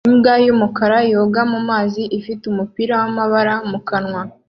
Imbwa y'umukara yoga mu mazi ifite umupira w'amabara mu kanwa